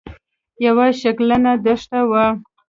یوه شګلنه دښته وه.